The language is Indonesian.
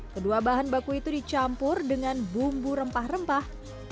kedua bahan baku itu dicampur dengan bumbu rempah rempah